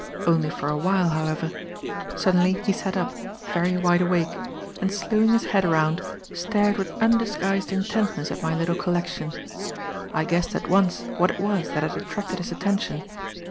Only for a while, however. Suddenly he sat up, very wide awake, and slewing his head round, stared with undisguised intentness at my little collection. I guessed at once what it was that had attracted his attention.